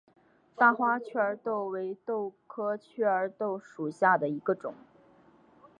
大花雀儿豆为豆科雀儿豆属下的一个种。